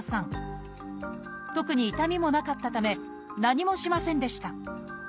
特に痛みもなかったため何もしませんでした。